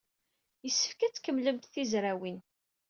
Yessefk ad tkemmlemt tizrawin.